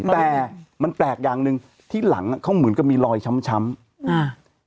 แต่มันแปลกอย่างหนึ่งที่หลังอ่ะเขาเหมือนกับมีรอยช้ำช้ำอ่า